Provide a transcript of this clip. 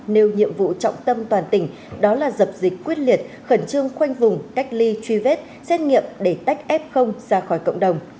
nêu nhiệm vụ trọng tâm toàn tỉnh đó là dập dịch quyết liệt khẩn trương khoanh vùng cách ly truy vết xét nghiệm để tách f ra khỏi cộng đồng